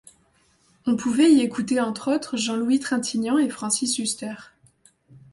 On pouvait y écouter entre autres Jean-Louis Trintignant et Francis Huster.